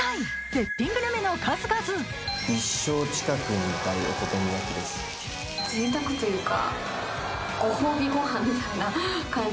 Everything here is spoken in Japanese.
絶品グルメの数々ぜいたくというか。